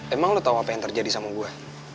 emang lo tau apa yang terjadi sama gue